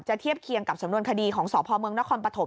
จะเทียบเคียงกับสำนวนคดีของสพนคปภ